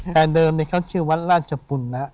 แต่เดิมนี้เขาชื่อวัดราชปุ่นนะ